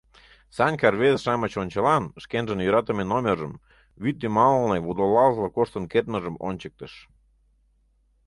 Санька рвезе-шамыч ончылан шкенжын йӧратыме номержым, вӱд йымалне водолазла коштын кертмыжым ончыктыш.